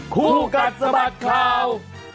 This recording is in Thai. คู่กัดสมัครข่าว